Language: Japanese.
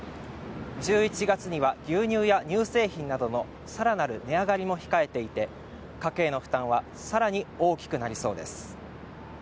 １１月には牛乳や乳製品などのさらなる値上がりも控えていて家計の負担はさらに大きくなりそうです